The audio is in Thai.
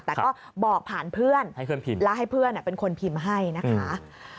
แต่ก็บอกผ่านเพื่อนและให้เพื่อนเป็นคนพิมพ์ให้นะคะ